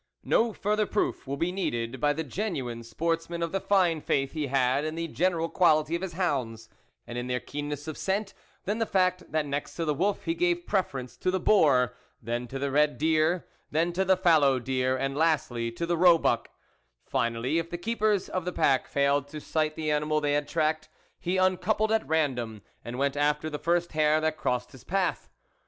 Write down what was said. No further proof will be needed by the genuine sportsman of the fine faith he had in the general quah'ty of his hounds, and in their keenness of scent, than the fact that next to the wolf he gave preference to the boar, then to the red deer, then to the fallow deer, and lastly to the roebuck ; finally, if the keepers of the pack failed to sight the animal they had tracked, he un coupled at random, and went after the first hare that crossed his path.